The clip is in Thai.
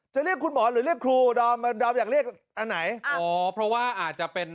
จะเรียกคุณหมอหรือเรียกครูอ๋อเพราะว่าอาจจะเป็น